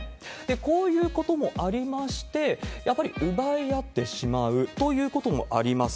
こういうこともありまして、やっぱり奪い合ってしまうということもあります。